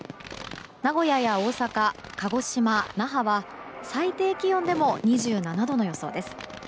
名古屋や大阪、鹿児島、那覇は最低気温でも２７度の予想です。